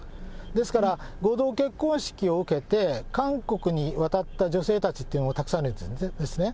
ですから、合同結婚式を受けて、韓国に渡った女性たちっていうのがたくさんいるんですね。